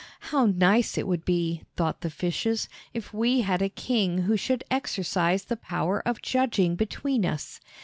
"How nice it would be," thought the Fishes, "if we had a king who should exercise the power of judging between us!"